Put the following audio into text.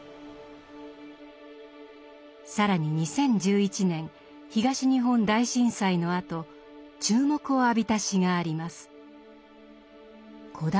更に２０１１年東日本大震災のあと注目を浴びた詩があります。